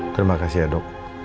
terima kasih ya dok